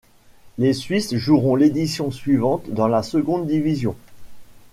Les suisses joueront l'édition suivante dans la seconde division.